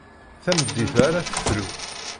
Tameddit-a ara tefru.